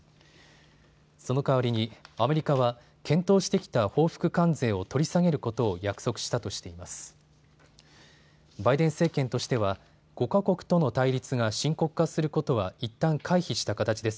そのかわりにアメリカは検討してきた報復関税を取り下げることを約束したとしています。